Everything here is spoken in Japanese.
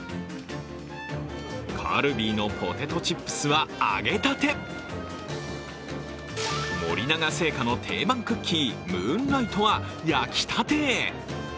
カルビーのポテトチップスは揚げたて、森永製菓の定番クッキームーンライトは焼きたて。